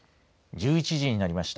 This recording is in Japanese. １１時になりました。